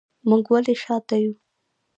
موږ ولې شاته یو